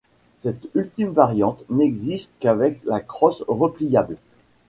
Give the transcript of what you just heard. Cette ultime variante n'existe qu'avec la crosse repliable.